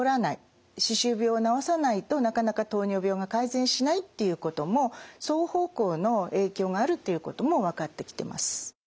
歯周病を治さないとなかなか糖尿病が改善しないっていうことも双方向の影響があるっていうことも分かってきてます。